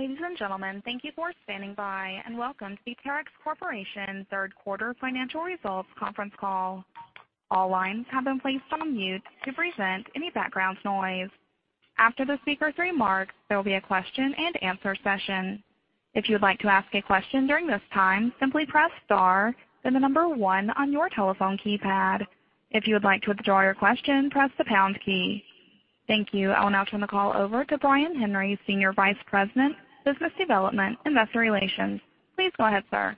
Ladies and gentlemen, thank you for standing by, and welcome to the Terex Corporation third quarter financial results conference call. All lines have been placed on mute to prevent any background noise. After the speakers' remarks, there will be a question-and-answer session. If you would like to ask a question during this time, simply press star, then the number one on your telephone keypad. If you would like to withdraw your question, press the pound key. Thank you. I will now turn the call over to Brian Henry, Senior Vice President, Business Development, Investor Relations. Please go ahead, sir.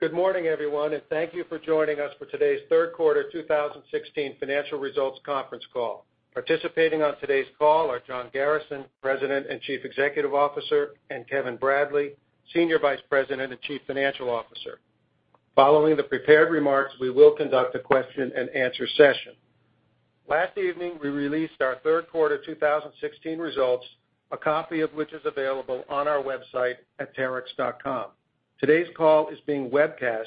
Good morning, everyone, and thank you for joining us for today's third quarter 2016 financial results conference call. Participating on today's call are John Garrison, President and Chief Executive Officer, and Kevin Bradley, Senior Vice President and Chief Financial Officer. Following the prepared remarks, we will conduct a question-and-answer session. Last evening, we released our third quarter 2016 results, a copy of which is available on our website at terex.com. Today's call is being webcast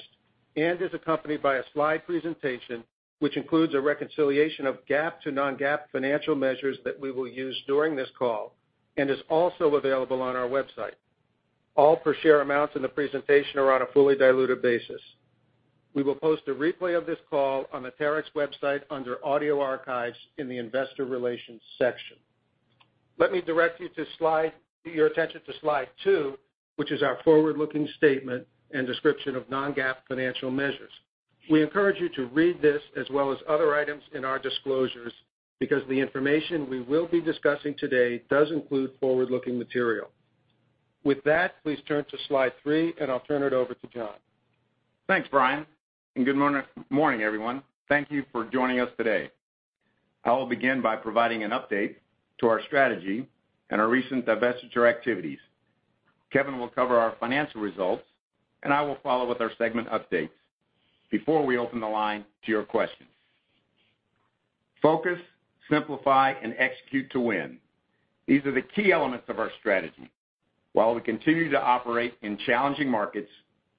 and is accompanied by a slide presentation, which includes a reconciliation of GAAP to non-GAAP financial measures that we will use during this call and is also available on our website. All per share amounts in the presentation are on a fully diluted basis. We will post a replay of this call on the Terex website under Audio Archives in the Investor Relations section. Let me direct your attention to slide two, which is our forward-looking statement and description of non-GAAP financial measures. We encourage you to read this as well as other items in our disclosures because the information we will be discussing today does include forward-looking material. With that, please turn to slide three, and I'll turn it over to John. Thanks, Brian, and good morning, everyone. Thank you for joining us today. I will begin by providing an update to our strategy and our recent divestiture activities. Kevin will cover our financial results, and I will follow with our segment updates before we open the line to your questions. Focus, simplify, and Execute to Win. These are the key elements of our strategy. While we continue to operate in challenging markets,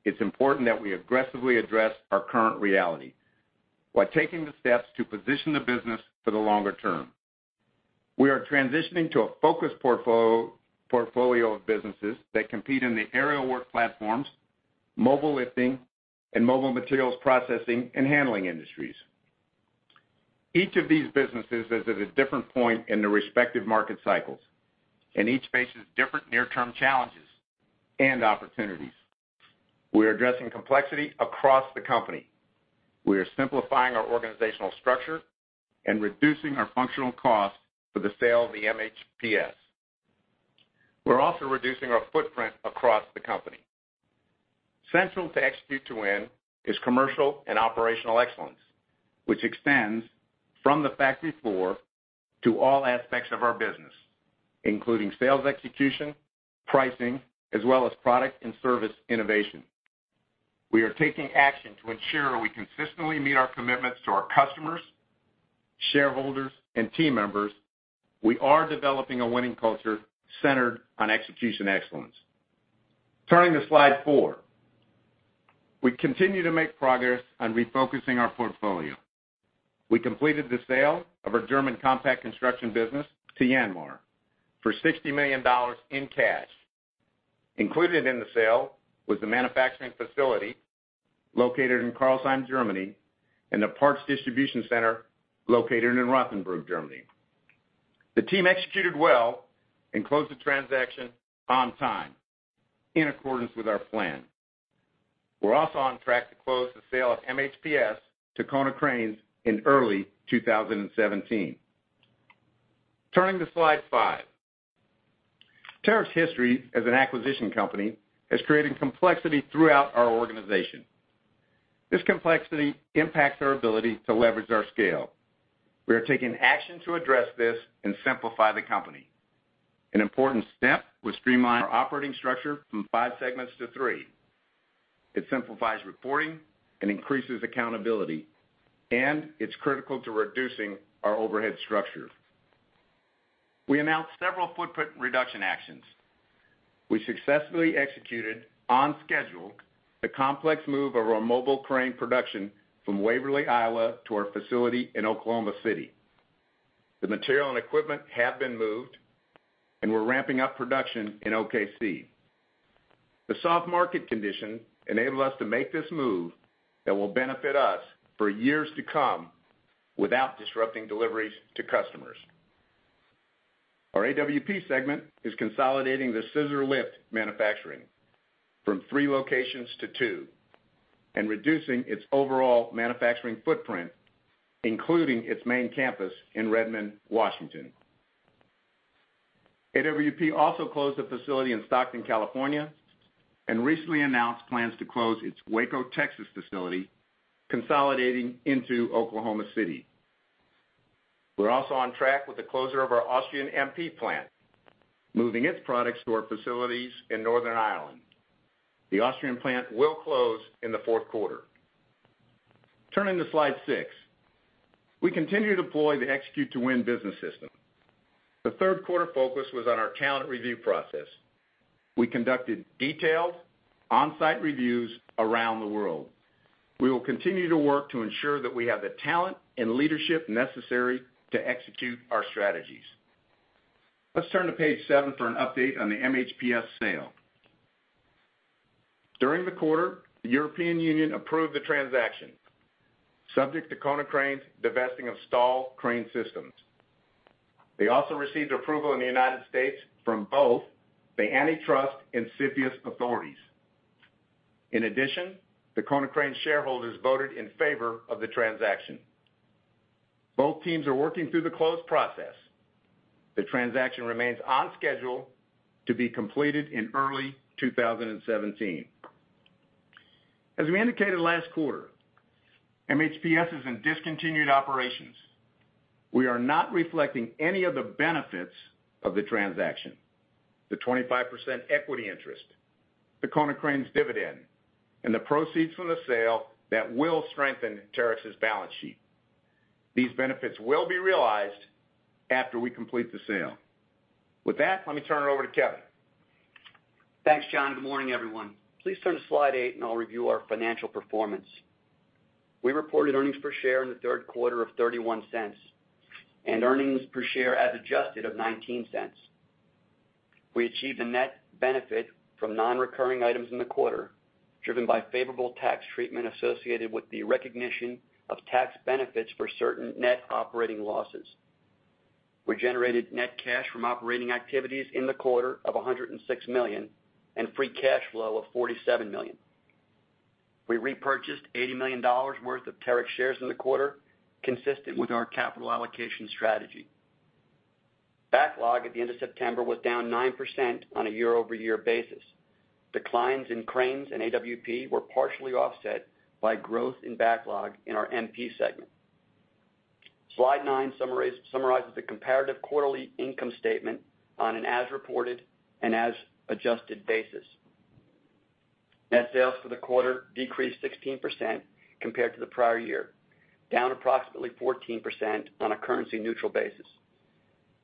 it's important that we aggressively address our current reality while taking the steps to position the business for the longer term. We are transitioning to a focused portfolio of businesses that compete in the aerial work platforms, mobile lifting, and mobile materials processing and handling industries. Each of these businesses is at a different point in their respective market cycles, and each faces different near-term challenges and opportunities. We are addressing complexity across the company. We are simplifying our organizational structure and reducing our functional costs with the sale of the MHPS. We're also reducing our footprint across the company. Central to Execute to Win is commercial and operational excellence, which extends from the factory floor to all aspects of our business, including sales execution, pricing, as well as product and service innovation. We are taking action to ensure we consistently meet our commitments to our customers, shareholders, and team members. We are developing a winning culture centered on execution excellence. Turning to slide four. We continue to make progress on refocusing our portfolio. We completed the sale of our German Compact Construction business to Yanmar for $60 million in cash. Included in the sale was the manufacturing facility located in Crailsheim, Germany, and the parts distribution center located in Rothenburg, Germany. The team executed well and closed the transaction on time in accordance with our plan. We're also on track to close the sale of MHPS to Konecranes in early 2017. Turning to slide five. Terex's history as an acquisition company has created complexity throughout our organization. This complexity impacts our ability to leverage our scale. We are taking action to address this and simplify the company. An important step was streamline our operating structure from five segments to three. It simplifies reporting and increases accountability, and it's critical to reducing our overhead structure. We announced several footprint reduction actions. We successfully executed on schedule the complex move of our mobile crane production from Waverly, Iowa, to our facility in Oklahoma City. The material and equipment have been moved, and we're ramping up production in OKC. The soft market condition enabled us to make this move that will benefit us for years to come without disrupting deliveries to customers. Our AWP segment is consolidating the scissor-lift manufacturing from three locations to two and reducing its overall manufacturing footprint, including its main campus in Redmond, Washington. AWP also closed a facility in Stockton, California, and recently announced plans to close its Waco, Texas, facility, consolidating into Oklahoma City. We're also on track with the closure of our Austrian MP plant, moving its products to our facilities in Northern Ireland. The Austrian plant will close in the fourth quarter. Turning to slide six. We continue to deploy the Execute to Win business system. The third quarter focus was on our talent review process. We conducted detailed on-site reviews around the world. We will continue to work to ensure that we have the talent and leadership necessary to execute our strategies. Let's turn to page seven for an update on the MHPS sale. During the quarter, the European Union approved the transaction, subject to Konecranes divesting of STAHL CraneSystems. They also received approval in the U.S. from both the antitrust and CFIUS authorities. In addition, the Konecranes shareholders voted in favor of the transaction. Both teams are working through the close process. The transaction remains on schedule to be completed in early 2017. As we indicated last quarter, MHPS is in Discontinued Operations. We are not reflecting any of the benefits of the transaction, the 25% equity interest, the Konecranes dividend, and the proceeds from the sale that will strengthen Terex's balance sheet. These benefits will be realized after we complete the sale. With that, let me turn it over to Kevin. Thanks, John. Good morning, everyone. Please turn to slide eight and I'll review our financial performance. We reported earnings per share in the third quarter of $0.31, and earnings per share as adjusted of $0.19. We achieved a net benefit from non-recurring items in the quarter, driven by favorable tax treatment associated with the recognition of tax benefits for certain net operating losses. We generated net cash from operating activities in the quarter of $106 million, and free cash flow of $47 million. We repurchased $80 million worth of Terex shares in the quarter, consistent with our capital allocation strategy. Backlog at the end of September was down 9% on a year-over-year basis. Declines in Cranes and AWP were partially offset by growth in backlog in our MP segment. Slide nine summarizes the comparative quarterly income statement on an as reported and as adjusted basis. Net sales for the quarter decreased 16% compared to the prior year, down approximately 14% on a currency-neutral basis.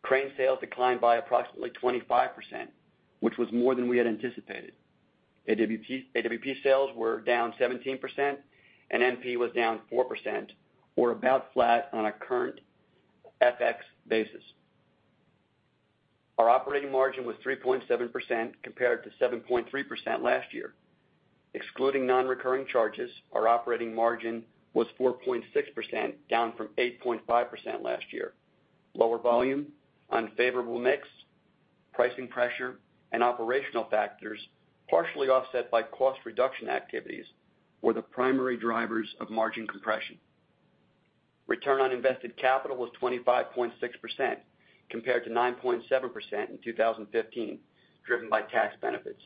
Crane sales declined by approximately 25%, which was more than we had anticipated. AWP sales were down 17%, and MP was down 4%, or about flat on a current FX basis. Our operating margin was 3.7% compared to 7.3% last year. Excluding non-recurring charges, our operating margin was 4.6%, down from 8.5% last year. Lower volume, unfavorable mix, pricing pressure, and operational factors, partially offset by cost reduction activities, were the primary drivers of margin compression. Return on invested capital was 25.6% compared to 9.7% in 2015, driven by tax benefits.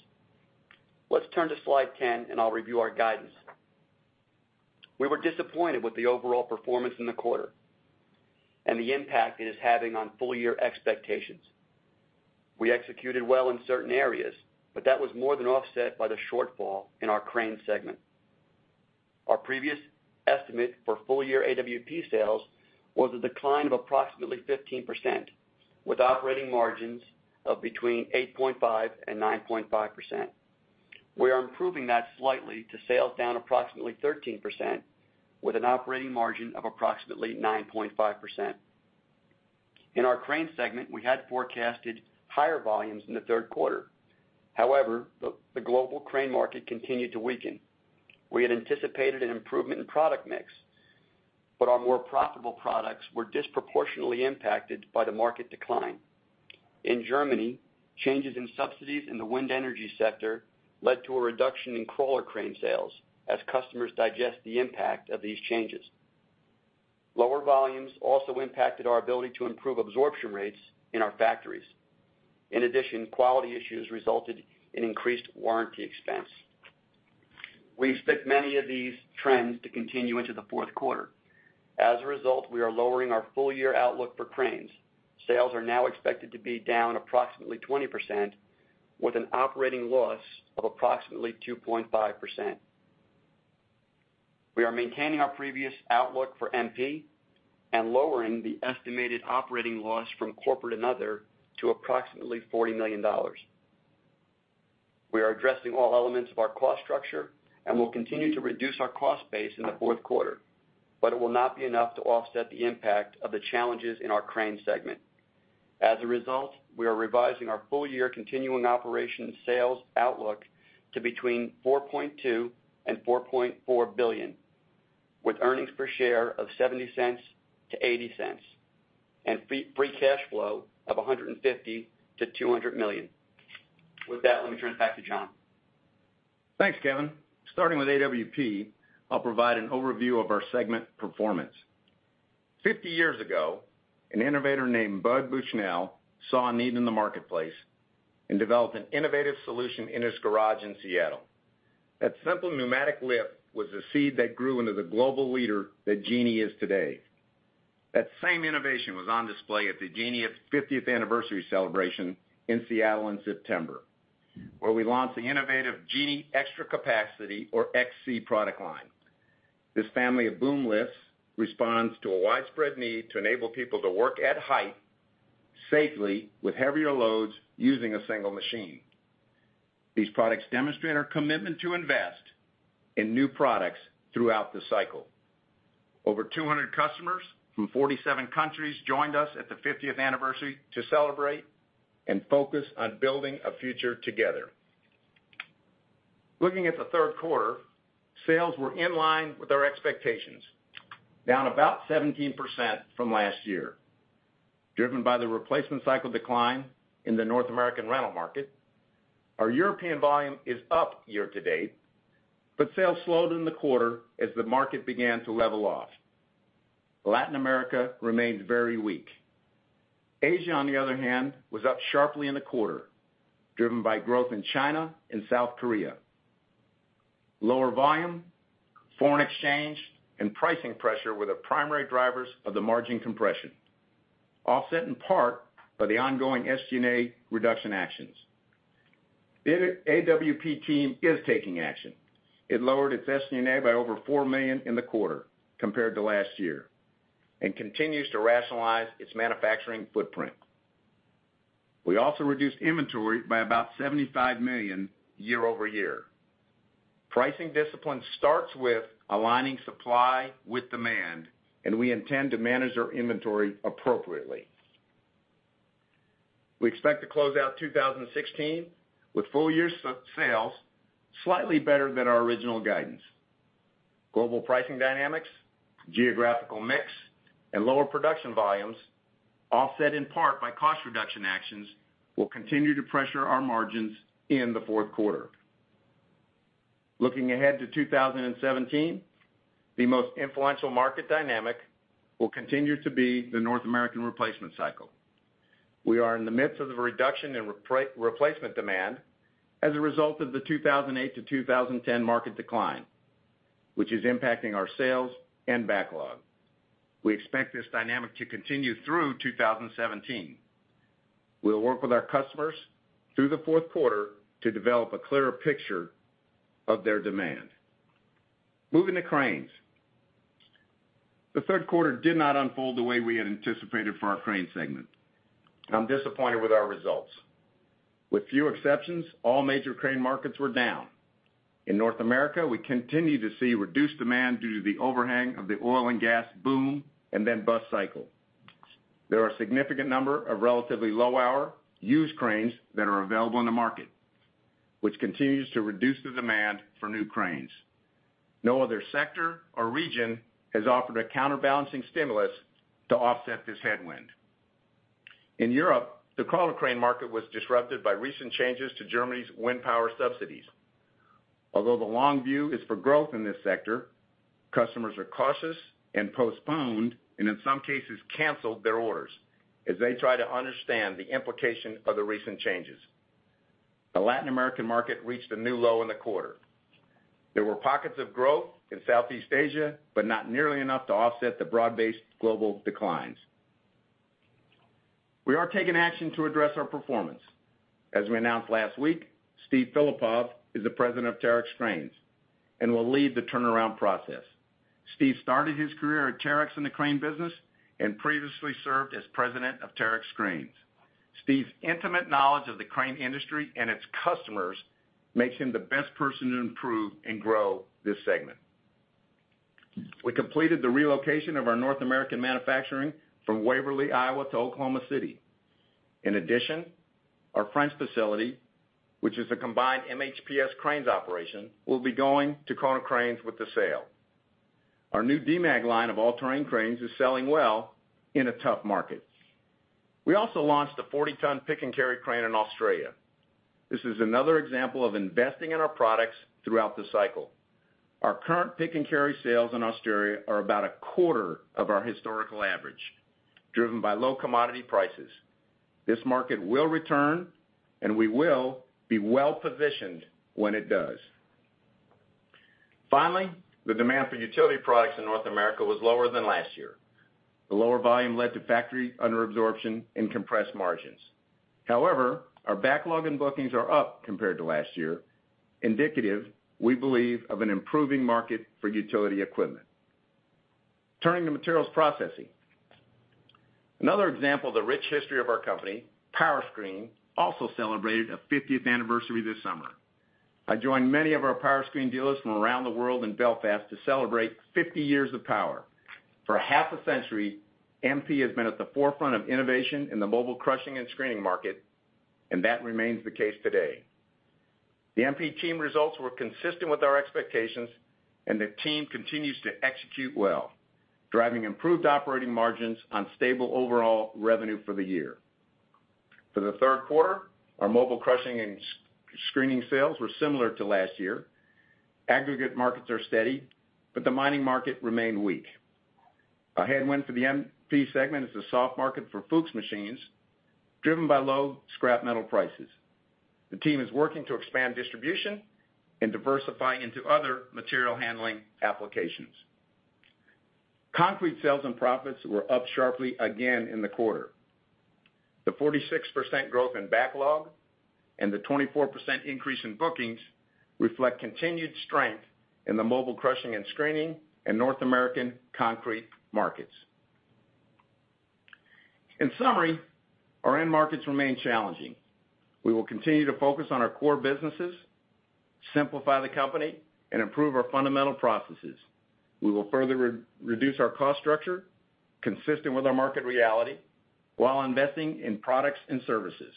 Let's turn to slide 10 and I'll review our guidance. We were disappointed with the overall performance in the quarter, and the impact it is having on full-year expectations. We executed well in certain areas, but that was more than offset by the shortfall in our Cranes segment. Our previous estimate for full-year AWP sales was a decline of approximately 15%, with operating margins of between 8.5% and 9.5%. We are improving that slightly to sales down approximately 13%, with an operating margin of approximately 9.5%. In our Cranes segment, we had forecasted higher volumes in the third quarter. However, the global crane market continued to weaken. We had anticipated an improvement in product mix, but our more profitable products were disproportionately impacted by the market decline. In Germany, changes in subsidies in the wind energy sector led to a reduction in crawler crane sales as customers digest the impact of these changes. Lower volumes also impacted our ability to improve absorption rates in our factories. In addition, quality issues resulted in increased warranty expense. We expect many of these trends to continue into the fourth quarter. As a result, we are lowering our full-year outlook for Cranes. Sales are now expected to be down approximately 20%, with an operating loss of approximately 2.5%. We are maintaining our previous outlook for MP and lowering the estimated operating loss from corporate and other to approximately $40 million. We are addressing all elements of our cost structure and will continue to reduce our cost base in the fourth quarter, but it will not be enough to offset the impact of the challenges in our Cranes segment. As a result, we are revising our full-year continuing operations sales outlook to between $4.2 billion and $4.4 billion, with earnings per share of $0.70 to $0.80, and free cash flow of $150 million to $200 million. With that, let me turn it back to John. Thanks, Kevin. Starting with AWP, I'll provide an overview of our segment performance. 50 years ago, an innovator named Bud Bushnell saw a need in the marketplace and developed an innovative solution in his garage in Seattle. That simple pneumatic lift was the seed that grew into the global leader that Genie is today. That same innovation was on display at the Genie 50th anniversary celebration in Seattle in September, where we launched the innovative Genie Xtra Capacity, or XC product line. This family of boom lifts responds to a widespread need to enable people to work at height safely with heavier loads using a single machine. These products demonstrate our commitment to invest in new products throughout the cycle. Over 200 customers from 47 countries joined us at the 50th anniversary to celebrate and focus on building a future together. Looking at the third quarter, sales were in line with our expectations, down about 17% from last year, driven by the replacement cycle decline in the North American rental market. Our European volume is up year-to-date, but sales slowed in the quarter as the market began to level off. Latin America remains very weak. Asia, on the other hand, was up sharply in the quarter, driven by growth in China and South Korea. Lower volume, foreign exchange, and pricing pressure were the primary drivers of the margin compression, offset in part by the ongoing SG&A reduction actions. The AWP team is taking action. It lowered its SG&A by over $4 million in the quarter compared to last year and continues to rationalize its manufacturing footprint. We also reduced inventory by about $75 million year-over-year. Pricing discipline starts with aligning supply with demand. We intend to manage our inventory appropriately. We expect to close out 2016 with full-year sales slightly better than our original guidance. Global pricing dynamics, geographical mix, and lower production volumes, offset in part by cost reduction actions, will continue to pressure our margins in the fourth quarter. Looking ahead to 2017, the most influential market dynamic will continue to be the North American replacement cycle. We are in the midst of a reduction in replacement demand as a result of the 2008-2010 market decline, which is impacting our sales and backlog. We expect this dynamic to continue through 2017. We'll work with our customers through the fourth quarter to develop a clearer picture of their demand. Moving to Cranes. The third quarter did not unfold the way we had anticipated for our Cranes segment. I'm disappointed with our results. With few exceptions, all major crane markets were down. In North America, we continue to see reduced demand due to the overhang of the oil and gas boom and then bust cycle. There are a significant number of relatively low-hour used cranes that are available on the market, which continues to reduce the demand for new cranes. No other sector or region has offered a counterbalancing stimulus to offset this headwind. In Europe, the crawler crane market was disrupted by recent changes to Germany's wind power subsidies. Although the long view is for growth in this sector, customers are cautious and postponed, and in some cases canceled their orders as they try to understand the implication of the recent changes. The Latin American market reached a new low in the quarter. Not nearly enough to offset the broad-based global declines. We are taking action to address our performance. As we announced last week, Steve Filipov is the President of Terex Cranes and will lead the turnaround process. Steve started his career at Terex in the crane business and previously served as President of Terex Cranes. Steve's intimate knowledge of the crane industry and its customers makes him the best person to improve and grow this segment. We completed the relocation of our North American manufacturing from Waverly, Iowa to Oklahoma City. In addition, our French facility, which is a combined MHPS cranes operation, will be going to Konecranes with the sale. Our new Demag line of all-terrain cranes is selling well in a tough market. We also launched a 40-ton pick and carry crane in Australia. This is another example of investing in our products throughout the cycle. Our current pick and carry sales in Australia are about a quarter of our historical average, driven by low commodity prices. This market will return, and we will be well-positioned when it does. Finally, the demand for utility products in North America was lower than last year. The lower volume led to factory under absorption and compressed margins. However, our backlog and bookings are up compared to last year, indicative, we believe, of an improving market for utility equipment. Turning to materials processing. Another example of the rich history of our company, Powerscreen, also celebrated a 50th anniversary this summer. I joined many of our Powerscreen dealers from around the world in Belfast to celebrate 50 years of power. For half a century, MP has been at the forefront of innovation in the mobile crushing and screening market. That remains the case today. The MP team results were consistent with our expectations. The team continues to execute well, driving improved operating margins on stable overall revenue for the year. For the third quarter, our mobile crushing and screening sales were similar to last year. Aggregate markets are steady. The mining market remained weak. A headwind for the MP segment is the soft market for Fuchs machines, driven by low scrap metal prices. The team is working to expand distribution and diversify into other material handling applications. Concrete sales and profits were up sharply again in the quarter. The 46% growth in backlog. The 24% increase in bookings reflect continued strength in the mobile crushing and screening, and North American concrete markets. In summary, our end markets remain challenging. We will continue to focus on our core businesses, simplify the company, and improve our fundamental processes. We will further reduce our cost structure consistent with our market reality while investing in products and services.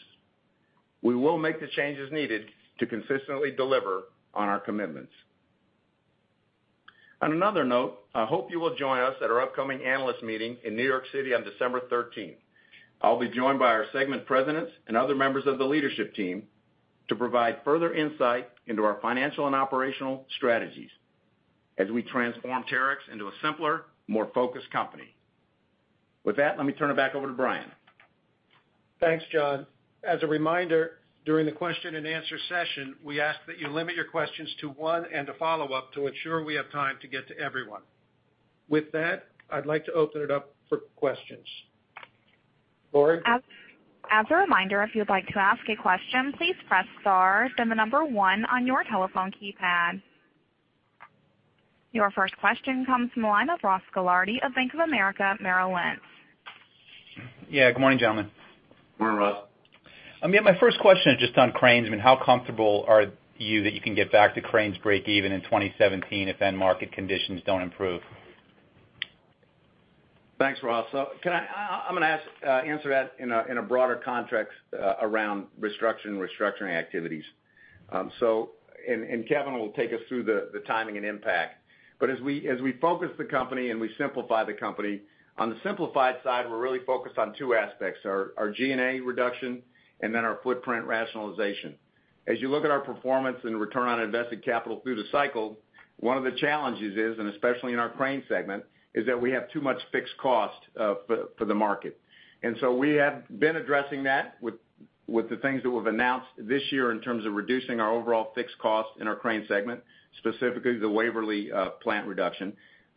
We will make the changes needed to consistently deliver on our commitments. On another note, I'll be joined by our segment presidents and other members of the leadership team to provide further insight into our financial and operational strategies as we transform Terex into a simpler, more focused company. With that, let me turn it back over to Brian. Thanks, John. As a reminder, during the question and answer session, we ask that you limit your questions to one and a follow-up to ensure we have time to get to everyone. With that, I'd like to open it up for questions. Lauren? As a reminder, if you'd like to ask a question, please press star, then the number one on your telephone keypad. Your first question comes from the line of Ross Gilardi of Bank of America Merrill Lynch. Yeah. Good morning, gentlemen. Morning, Ross. My first question is just on Cranes. How comfortable are you that you can get back to Cranes breakeven in 2017 if end market conditions don't improve? Thanks, Ross. I'm going to answer that in a broader context around restructuring activities. Kevin will take us through the timing and impact. As we focus the company and we simplify the company, on the simplified side, we're really focused on two aspects, our G&A reduction and our footprint rationalization. As you look at our performance and return on invested capital through the cycle, one of the challenges is, and especially in our Cranes segment, is that we have too much fixed cost for the market. We have been addressing that with the things that we've announced this year in terms of reducing our overall fixed cost in our Cranes segment, specifically the Waverly plant reduction.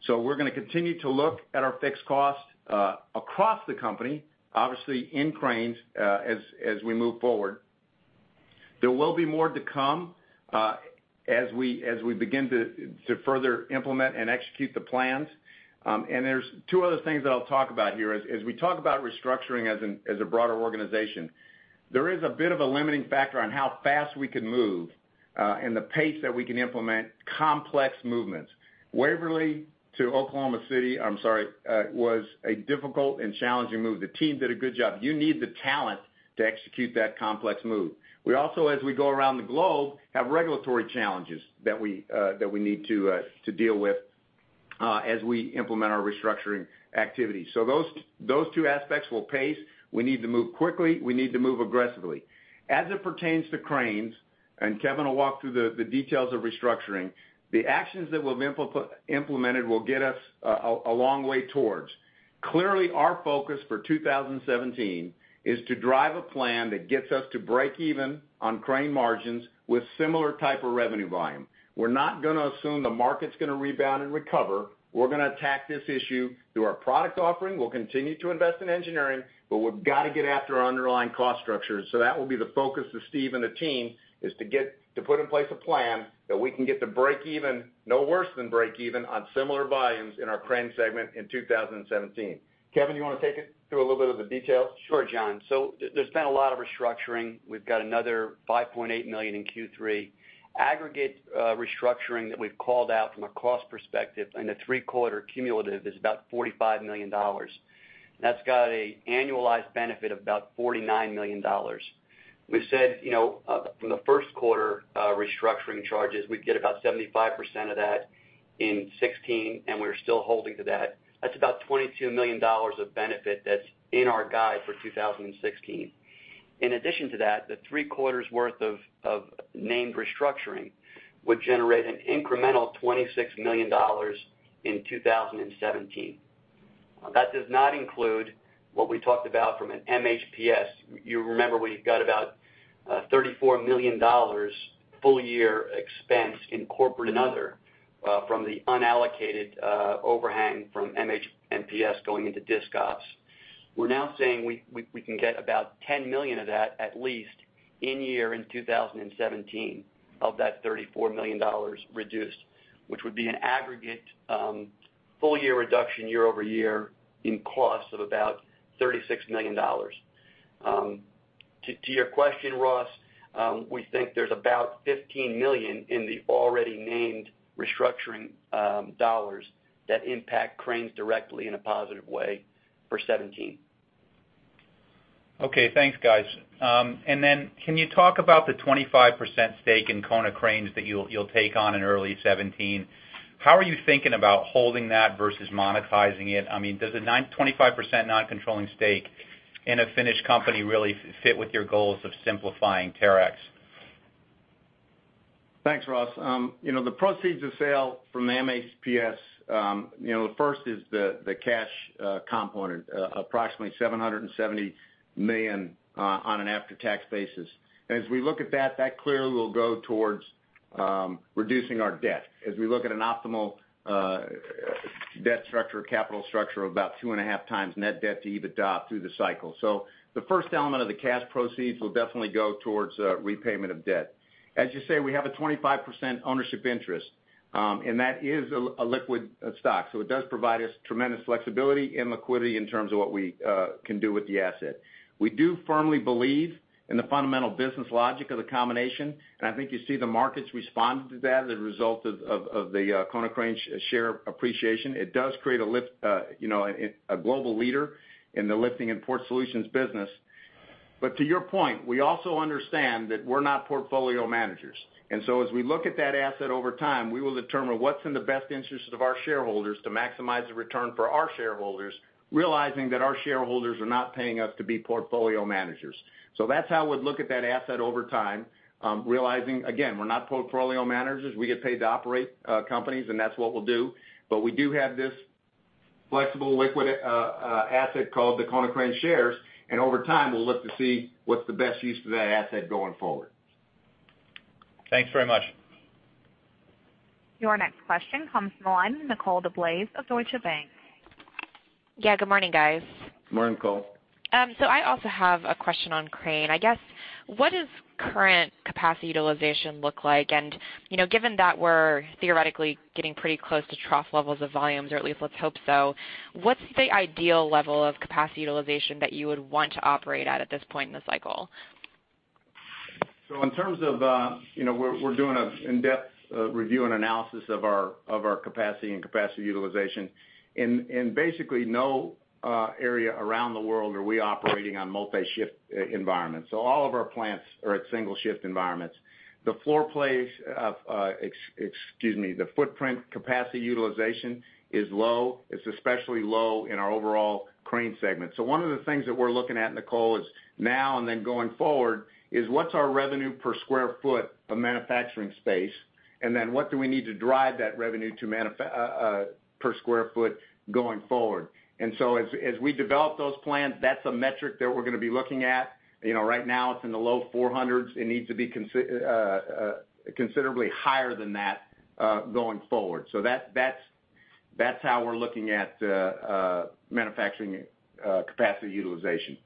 We're going to continue to look at our fixed cost, across the company, obviously in Cranes, as we move forward. There will be more to come, as we begin to further implement and execute the plans. There's two other things that I'll talk about here. As we talk about restructuring as a broader organization, there is a bit of a limiting factor on how fast we can move, and the pace that we can implement complex movements. Waverly to Oklahoma City was a difficult and challenging move. The team did a good job. You need the talent to execute that complex move. We also, as we go around the globe, have regulatory challenges that we need to deal with as we implement our restructuring activities. Those two aspects will pace. We need to move quickly. We need to move aggressively. As it pertains to Cranes, Kevin will walk through the details of restructuring, the actions that we've implemented will get us a long way towards. Our focus for 2017 is to drive a plan that gets us to break even on Cranes margins with similar type of revenue volume. We are not going to assume the market is going to rebound and recover. We are going to attack this issue through our product offering. We will continue to invest in engineering, but we have got to get after our underlying cost structure. That will be the focus of Steve and the team, is to put in place a plan that we can get to break even, no worse than break even on similar volumes in our Cranes segment in 2017. Kevin, you want to take it through a little bit of the details? Sure, John. There has been a lot of restructuring. We have got another $5.8 million in Q3. Aggregate restructuring that we have called out from a cost perspective in the three-quarter cumulative is about $45 million. That has got an annualized benefit of about $49 million. We have said, from the first quarter restructuring charges, we would get about 75% of that in 2016, and we are still holding to that. That is about $22 million of benefit that is in our guide for 2016. In addition to that, the three quarters' worth of named restructuring would generate an incremental $26 million in 2017. That does not include what we talked about from an MHPS. You remember we got about $34 million full-year expense in corporate and other from the unallocated overhang from MHPS going into Discontinued Operations. We are now saying we can get about $10 million of that, at least, in year in 2017 of that $34 million reduced, which would be an aggregate full-year reduction year-over-year in costs of about $36 million. To your question, Ross, we think there is about $15 million in the already named restructuring dollars that impact Cranes directly in a positive way for 2017. Okay, thanks, guys. Can you talk about the 25% stake in Konecranes that you will take on in early 2017? How are you thinking about holding that versus monetizing it? Does a 25% non-controlling stake in a Finnish company really fit with your goals of simplifying Terex? Thanks, Ross. The proceeds of sale from MHPS, first is the cash component, approximately $770 million on an after-tax basis. As we look at that clearly will go towards reducing our debt as we look at an optimal debt structure, capital structure of about two and a half times net debt to EBITDA through the cycle. The first element of the cash proceeds will definitely go towards repayment of debt. As you say, we have a 25% ownership interest. That is a liquid stock. It does provide us tremendous flexibility and liquidity in terms of what we can do with the asset. We do firmly believe in the fundamental business logic of the combination. I think you see the markets responding to that as a result of the Konecranes share appreciation. It does create a global leader in the lifting and port solutions business. To your point, we also understand that we're not portfolio managers. As we look at that asset over time, we will determine what's in the best interest of our shareholders to maximize the return for our shareholders, realizing that our shareholders are not paying us to be portfolio managers. That's how we'd look at that asset over time, realizing, again, we're not portfolio managers. We get paid to operate companies. That's what we'll do. We do have this flexible liquid asset called the Konecranes shares. Over time, we'll look to see what's the best use of that asset going forward. Thanks very much. Your next question comes from the line of Nicole DeBlase of Deutsche Bank. Yeah, good morning, guys. Morning, Nicole. I also have a question on crane. I guess, what does current capacity utilization look like? Given that we're theoretically getting pretty close to trough levels of volumes, or at least let's hope so, what's the ideal level of capacity utilization that you would want to operate at this point in the cycle? We're doing an in-depth review and analysis of our capacity and capacity utilization. In basically no area around the world are we operating on multi-shift environments. All of our plants are at single-shift environments. The footprint capacity utilization is low. It's especially low in our overall Cranes segment. One of the things that we're looking at, Nicole, is now and then going forward is what's our revenue per square foot of manufacturing space, and then what do we need to drive that revenue per square foot going forward. As we develop those plans, that's a metric that we're going to be looking at. Right now it's in the low 400s. It needs to be considerably higher than that, going forward. That's how we're looking at manufacturing capacity utilization.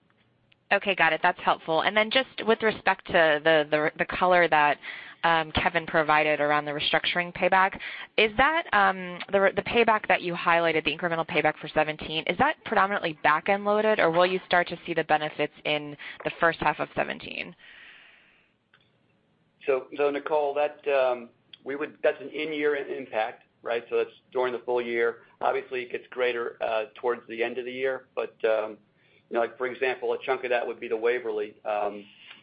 Okay, got it. That's helpful. Just with respect to the color that Kevin provided around the restructuring payback, the payback that you highlighted, the incremental payback for 2017, is that predominantly back-end loaded, or will you start to see the benefits in the first half of 2017? Nicole, that's an in-year impact, right? That's during the full year. Obviously, it gets greater towards the end of the year. For example, a chunk of that would be the Waverly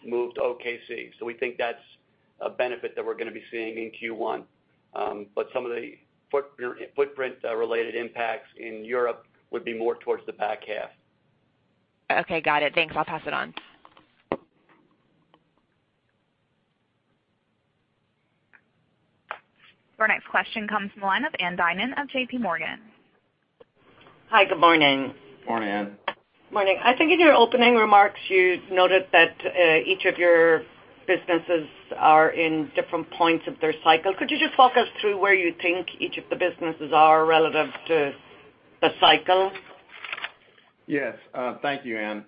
move to OKC. We think that's a benefit that we're going to be seeing in Q1. Some of the footprint-related impacts in Europe would be more towards the back half. Okay, got it. Thanks. I'll pass it on. Our next question comes from the line of Ann Duignan of J.P. Morgan. Hi, good morning. Morning, Ann. Morning. I think in your opening remarks, you noted that each of your businesses are in different points of their cycle. Could you just walk us through where you think each of the businesses are relative to the cycle? Yes. Thank you, Ann.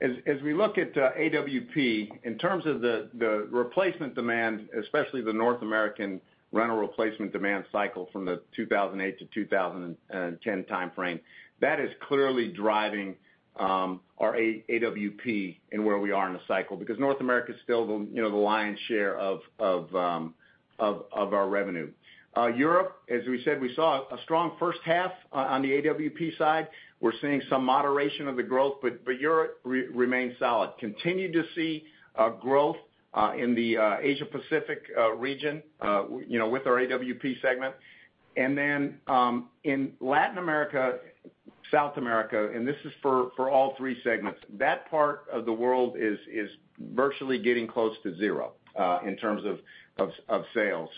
As we look at AWP, in terms of the replacement demand, especially the North American rental replacement demand cycle from the 2008-2010 timeframe, that is clearly driving our AWP and where we are in the cycle because North America is still the lion's share of our revenue. Europe, as we said, we saw a strong first half on the AWP side. We're seeing some moderation of the growth, but Europe remains solid. Continue to see growth in the Asia Pacific region with our AWP segment. Then in Latin America, South America, and this is for all 3 segments, that part of the world is virtually getting close to zero in terms of sales.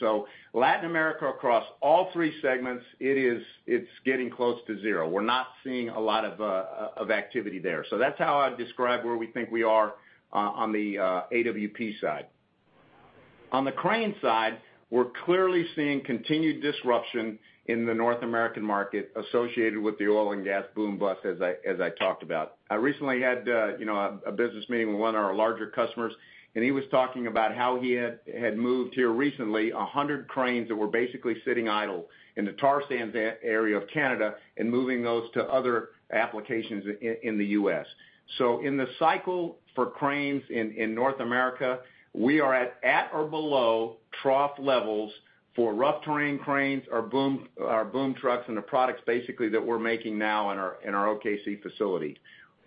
Latin America, across all 3 segments, it's getting close to zero. We're not seeing a lot of activity there. That's how I'd describe where we think we are on the AWP side. On the Cranes side, we're clearly seeing continued disruption in the North American market associated with the oil and gas boom-bust as I talked about. I recently had a business meeting with one of our larger customers, and he was talking about how he had moved here recently 100 cranes that were basically sitting idle in the tar sands area of Canada and moving those to other applications in the U.S. In the cycle for cranes in North America, we are at or below trough levels for rough terrain cranes or boom trucks and the products basically that we're making now in our OKC facility.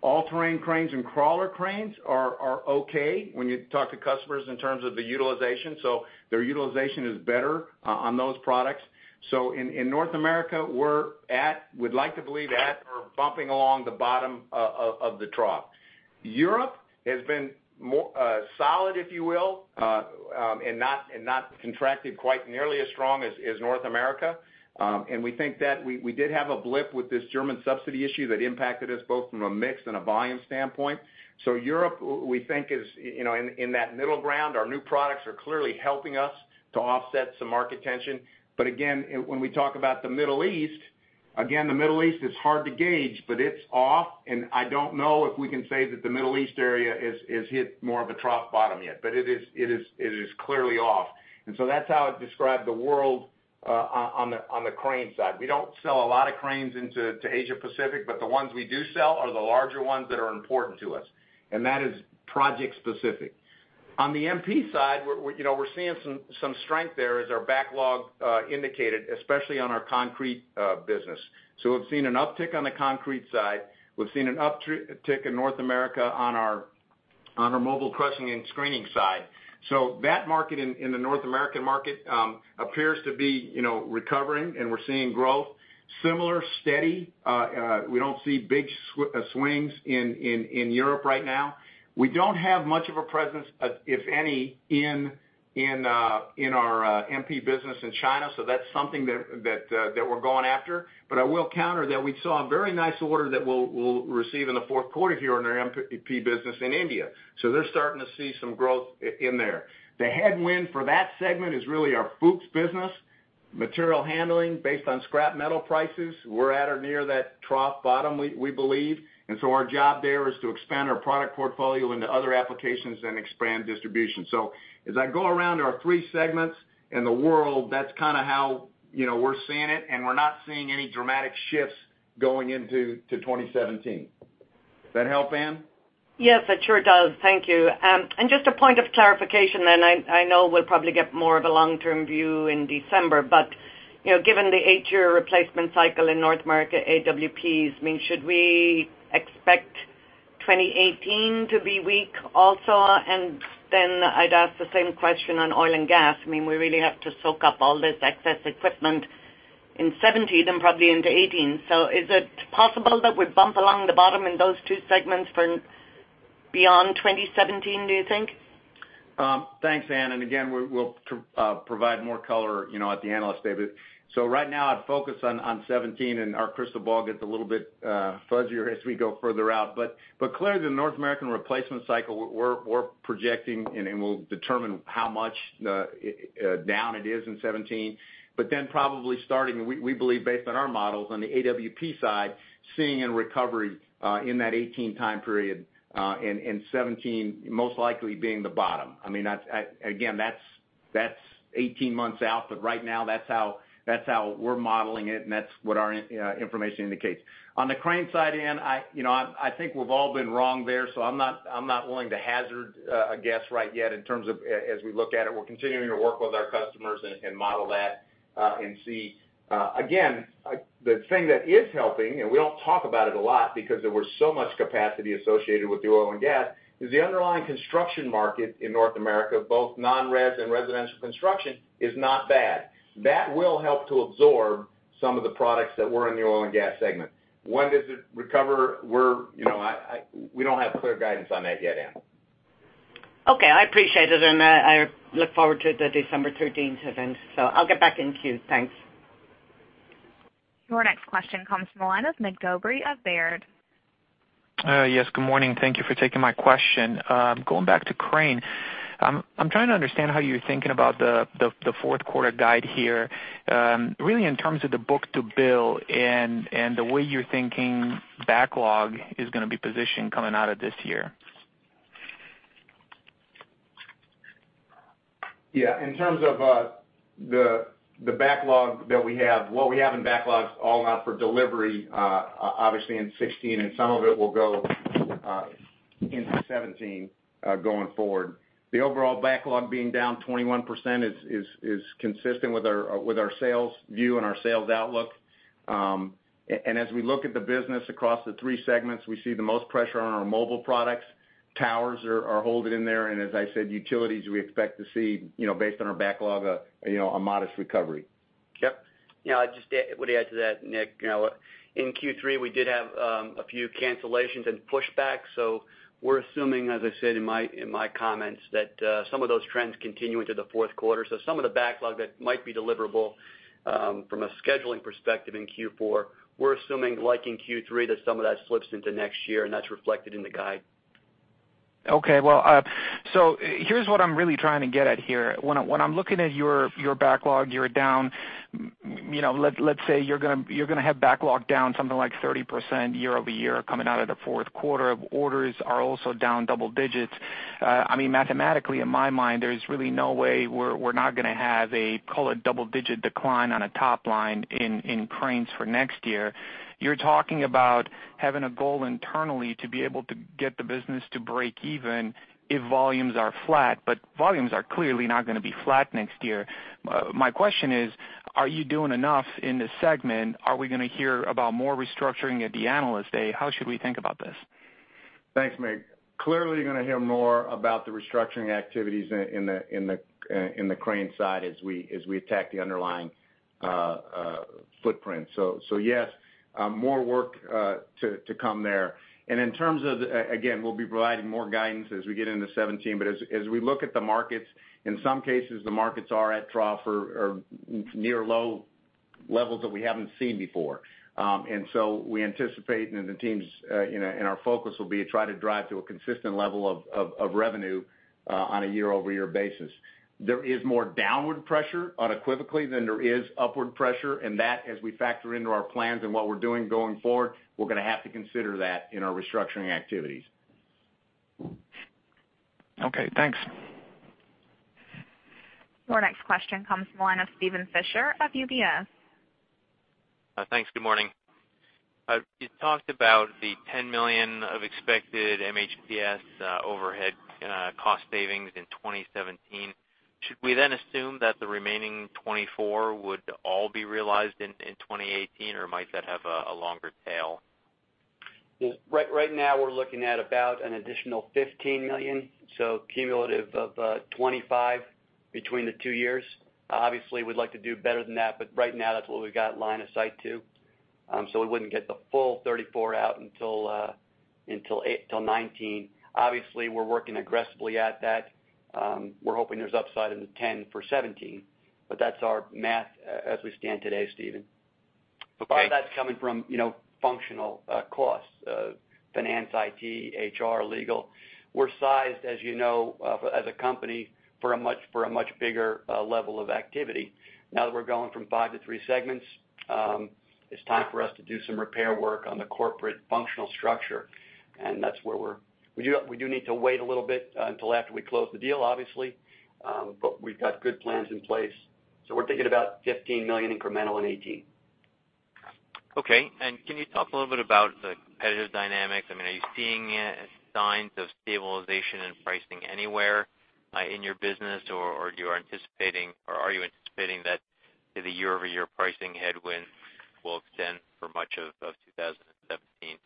All-terrain cranes and crawler cranes are okay when you talk to customers in terms of the utilization. Their utilization is better on those products. In North America, we'd like to believe at or bumping along the bottom of the trough. Europe has been solid, if you will, and not contracted quite nearly as strong as North America. We think that we did have a blip with this German subsidy issue that impacted us both from a mix and a volume standpoint. Again, when we talk about the Middle East Again, the Middle East is hard to gauge, but it's off, and I don't know if we can say that the Middle East area has hit more of a trough bottom yet. It is clearly off. That's how I'd describe the world on the Cranes side. We don't sell a lot of cranes into Asia Pacific, but the ones we do sell are the larger ones that are important to us, and that is project specific. On the MP side, we're seeing some strength there as our backlog indicated, especially on our concrete business. We've seen an uptick on the concrete side. We've seen an uptick in North America on our mobile crushing and screening side. That market in the North American market appears to be recovering and we're seeing growth. Similar, steady, we don't see big swings in Europe right now. We don't have much of a presence, if any, in our MP business in China, that's something that we're going after. I will counter that we saw a very nice order that we'll receive in the fourth quarter here on our MP business in India. They're starting to see some growth in there. The headwind for that segment is really our Fuchs business, material handling based on scrap metal prices. We're at or near that trough bottom, we believe. Our job there is to expand our product portfolio into other applications and expand distribution. As I go around our three segments in the world, that's kind of how we're seeing it, and we're not seeing any dramatic shifts going into 2017. Does that help, Ann? Yes, it sure does. Thank you. Just a point of clarification, I know we'll probably get more of a long-term view in December, but given the eight-year replacement cycle in North America, AWPs, should we expect 2018 to be weak also? I'd ask the same question on oil and gas. We really have to soak up all this excess equipment in 2017 and probably into 2018. Is it possible that we bump along the bottom in those two segments for beyond 2017, do you think? Thanks, Ann. Again, we'll provide more color at the analyst day. Right now I'd focus on 2017 and our crystal ball gets a little bit fuzzier as we go further out. Clearly the North American replacement cycle we're projecting and we'll determine how much down it is in 2017. Probably starting, we believe based on our models on the AWP side, seeing a recovery in that 2018 time period, and 2017 most likely being the bottom. Again, that's 18 months out, but right now that's how we're modeling it and that's what our information indicates. On the crane side, Ann, I think we've all been wrong there, I'm not willing to hazard a guess right yet in terms of as we look at it. We're continuing to work with our customers and model that and see. Again, the thing that is helping, we don't talk about it a lot because there was so much capacity associated with the oil and gas, is the underlying construction market in North America, both non-res and residential construction is not bad. That will help to absorb some of the products that were in the oil and gas segment. When does it recover? We don't have clear guidance on that yet, Ann. Okay. I appreciate it. I look forward to the December 13th event, I'll get back in queue. Thanks. Your next question comes from the line of Mig Dobre of Baird. Yes, good morning. Thank you for taking my question. Going back to Crane. I am trying to understand how you are thinking about the fourth quarter guide here, really in terms of the book to bill and the way you are thinking backlog is going to be positioned coming out of this year. In terms of the backlog that we have, what we have in backlog is all out for delivery, obviously in 2016, and some of it will go into 2017 going forward. The overall backlog being down 21% is consistent with our sales view and our sales outlook. As we look at the business across the 3 segments, we see the most pressure on our mobile products. Towers are holding in there, and as I said, utilities we expect to see, based on our backlog, a modest recovery. I just would add to that, Mig, in Q3 we did have a few cancellations and pushbacks. We are assuming, as I said in my comments, that some of those trends continue into the fourth quarter. Some of the backlog that might be deliverable from a scheduling perspective in Q4, we are assuming like in Q3, that some of that slips into next year and that is reflected in the guide. Okay. Well, here's what I'm really trying to get at here. When I'm looking at your backlog, you're down, let's say you're going to have backlog down something like 30% year-over-year coming out of the fourth quarter. Orders are also down double-digits. Mathematically, in my mind, there's really no way we're not going to have a, call it double-digit decline on a top line in Cranes for next year. You're talking about having a goal internally to be able to get the business to break even if volumes are flat, but volumes are clearly not going to be flat next year. My question is, are you doing enough in this segment? Are we going to hear about more restructuring at the Analyst Day? How should we think about this? Thanks, Mig. Clearly you're going to hear more about the restructuring activities in the Cranes side as we attack the underlying footprint. Yes, more work to come there. In terms of, again, we'll be providing more guidance as we get into 2017, but as we look at the markets, in some cases, the markets are at trough or near low levels that we haven't seen before. We anticipate and the teams and our focus will be to try to drive to a consistent level of revenue on a year-over-year basis. There is more downward pressure unequivocally than there is upward pressure, and that as we factor into our plans and what we're doing going forward, we're going to have to consider that in our restructuring activities. Okay, thanks. Your next question comes from the line of Steven Fisher of UBS. Thanks. Good morning. You talked about the $10 million of expected MHPS overhead cost savings in 2017. Should we then assume that the remaining $24 million would all be realized in 2018 or might that have a longer tail? Right now, we're looking at about an additional $15 million, so cumulative of $25 million between the two years. Obviously, we'd like to do better than that, but right now that's what we've got line of sight to. We wouldn't get the full $34 million out until 2019. Obviously, we're working aggressively at that. We're hoping there's upside in the $10 million for 2017, but that's our math as we stand today, Steven. Okay. Part of that's coming from functional costs, finance, IT, HR, legal. We're sized, as you know, as a company, for a much bigger level of activity. Now that we're going from five to three segments, it's time for us to do some repair work on the corporate functional structure. We do need to wait a little bit until after we close the deal, obviously. We've got good plans in place, so we're thinking about $15 million incremental in 2018. Okay. Can you talk a little bit about the competitive dynamics? Are you seeing signs of stabilization and pricing anywhere in your business, or are you anticipating that the year-over-year pricing headwind will extend for much of 2017?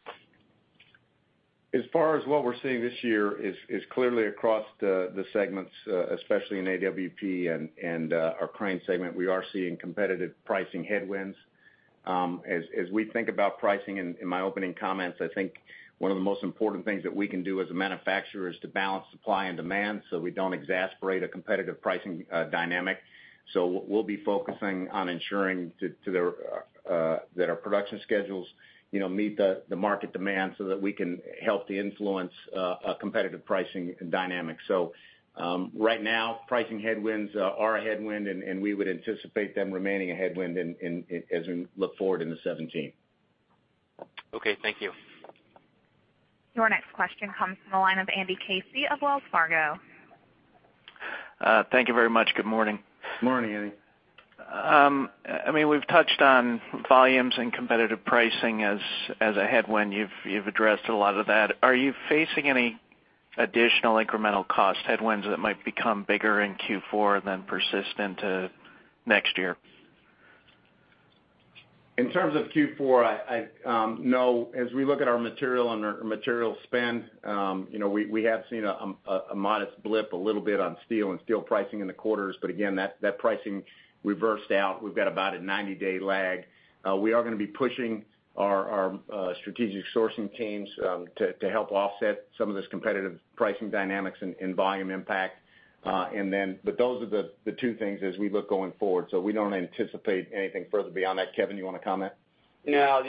As far as what we're seeing this year is clearly across the segments, especially in AWP and our Cranes segment, we are seeing competitive pricing headwinds. As we think about pricing in my opening comments, I think one of the most important things that we can do as a manufacturer is to balance supply and demand so we don't exacerbate a competitive pricing dynamic. We'll be focusing on ensuring that our production schedules meet the market demand so that we can help to influence a competitive pricing dynamic. Right now, pricing headwinds are a headwind, and we would anticipate them remaining a headwind as we look forward into 2017. Okay, thank you. Your next question comes from the line of Andy Casey of Wells Fargo. Thank you very much. Good morning. Morning, Andy. We've touched on volumes and competitive pricing as a headwind. You've addressed a lot of that. Are you facing any additional incremental cost headwinds that might become bigger in Q4 than persistent to next year? In terms of Q4, no. As we look at our material and our material spend, we have seen a modest blip a little bit on steel and steel pricing in the quarters. Again, that pricing reversed out. We've got about a 90-day lag. We are going to be pushing our strategic sourcing teams to help offset some of this competitive pricing dynamics and volume impact. Those are the two things as we look going forward. We don't anticipate anything further beyond that. Kevin, you want to comment? No,